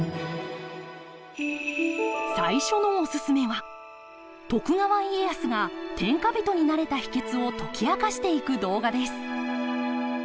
最初のおすすめは徳川家康が天下人になれた秘けつを解き明かしていく動画です。